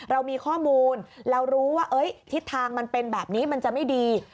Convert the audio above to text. เรามีข้อมูลเรารู้ว่าทิศทางมันเป็นแบบนี้มันจะไม่ดี